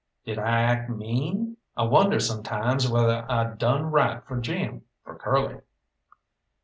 Did I act mean? I wonder sometimes whether I done right for Jim, for Curly.